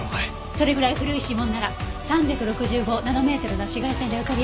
それぐらい古い指紋なら３６５ナノメートルの紫外線で浮かび上がるはず。